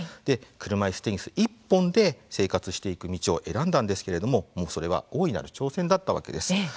車いすテニス１本で生活していく道を選んだんですけれども、それは大いなる挑戦だったわけです。